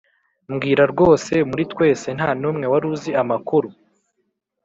mbwira rwose muri twese ntanumwe waruzi amakuru